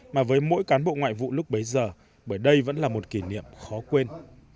mà với mỗi cán bộ ngoại vụ lúc bấy giờ bởi đây vẫn là một kỷ niệm khó quên